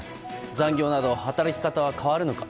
残業など働き方は変わるのか。